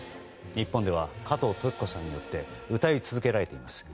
日本では加藤登紀子さんによって歌い続けられています。